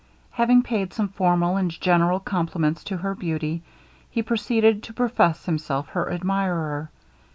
Having paid some formal and general compliments to her beauty, he proceeded to profess himself her admirer.